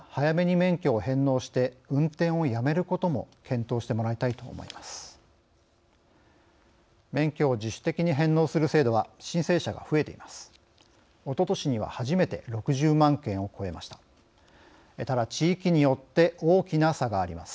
免許を自主的に返納する制度は申請者が増えています。